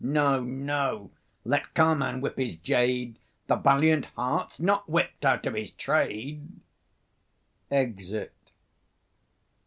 No, no; let carman whip his jade: The valiant heart is not whipt out of his trade. [_Exit.